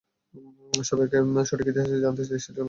সবাইকে সঠিক ইতিহাস জানতে হবে এবং দেশের কল্যাণে কাজ করতে হবে।